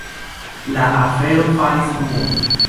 La afero faris bruon.